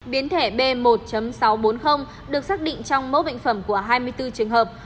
biến thể b một sáu trăm bốn mươi được xác định trong mẫu bệnh phẩm của hai mươi bốn trường hợp